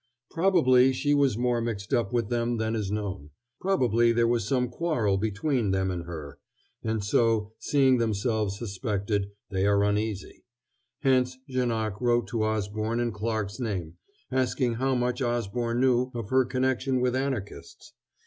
Probably she was more mixed up with them than is known; probably there was some quarrel between them and her; and so, seeing themselves suspected, they are uneasy. Hence Janoc wrote to Osborne in Clarke's name, asking how much Osborne knew of her connection with Anarchists.